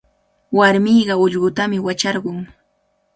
Warmiqa ullqutami wacharqun.